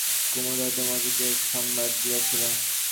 শশীকে যে কথাটা জানানো হইয়াছে, কুমুদ হয়তো মতিকে এ সংবাদ দিয়াছিল।